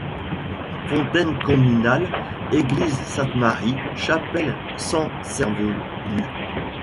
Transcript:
Fontaine communale, église Sainte-Marie, chapelle San Cervonu.